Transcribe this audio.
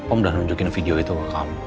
om udah nunjukin video itu ke kamu